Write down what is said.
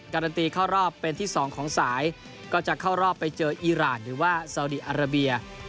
การันตีเข้ารอบเป็นที่๒ของสายก็จะเข้ารอบไปเจออีรานหรือว่าซาวดีอาราเบีย